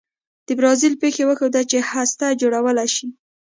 د برازیل پېښې وښوده چې هسته جوړولای شي.